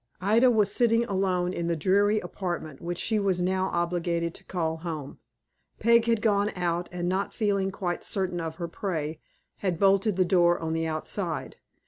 IDA was sitting alone in the dreary apartment which she was now obliged to call home. Peg had gone out, and not feeling quite certain of her prey, had bolted the door on the outside.